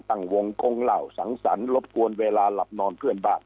ตั้งวงกงเหล้าสังสรรครบกวนเวลาหลับนอนเพื่อนบ้าน